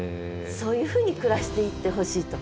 そういうふうに暮らしていってほしいと。